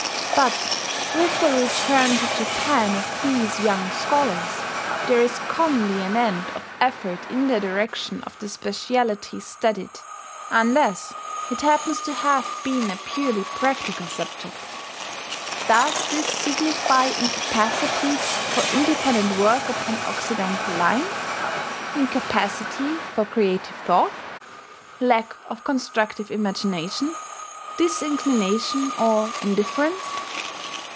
But with the return to Japan of these young scholars, there is commonly an end of effort in the direction of the speciality studied, unless it happens to have been a purely practical subject. Does this signify incapacity for independent work upon Occidental lines? incapacity for creative thought? lack of constructive imagination? disinclination or indifference?